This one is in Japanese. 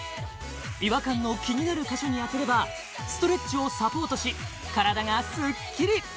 違和感の気になる箇所に当てればストレッチをサポートし体がすっきり！